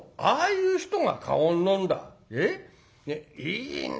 いいね。